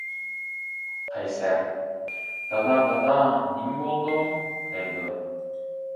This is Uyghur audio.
قەيسەر: دادا، دادا نېمە بولدۇڭ دەيدۇ.